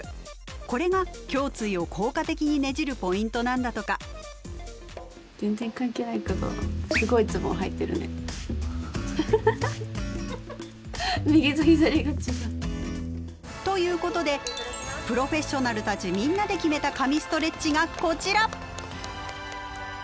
これが胸椎を効果的にねじるポイントなんだとか。ということでプロフェッショナルたちみんなで決めた「神ストレッチ」がこちら！